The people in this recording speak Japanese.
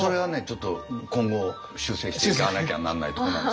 ちょっと今後修正していかなきゃなんないとこなんですけども。